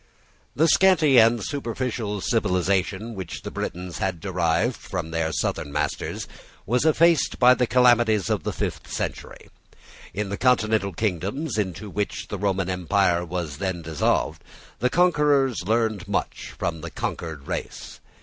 The scanty and superficial civilisation which the Britons had derived from their southern masters was effaced by the calamities of the fifth century. In the continental kingdoms into which the Roman empire was then dissolved, the conquerors learned much from the conquered race.